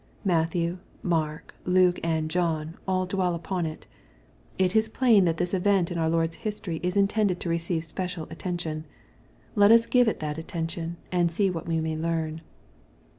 Matthew, Mark, Luke, and John, all dwell upon it. It is plain that this event in our Lord's history is intended to receive special attention. Let us give it that attention, and see what we may learn.